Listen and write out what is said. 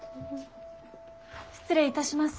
失礼いたします。